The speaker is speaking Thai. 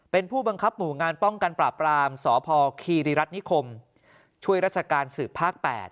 เป็นผู้บังคับหมู่งานป้องกันปราบรามสพคีริรัฐนิคมช่วยราชการสืบภาค๘